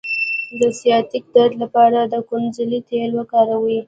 د سیاتیک درد لپاره د کونځلې تېل وکاروئ